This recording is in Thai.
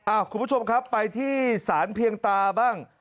คุณผู้ชมครับไปที่สารเพียงตาบ้าง